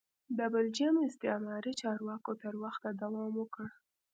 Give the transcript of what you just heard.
د بلجیم استعماري چارواکو تر وخته دوام وکړ.